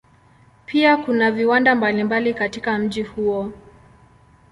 Pia kuna viwanda mbalimbali katika mji huo.